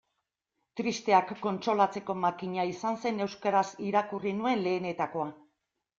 Tristeak kontsolatzeko makina izan zen euskaraz irakurri nuen lehenetakoa.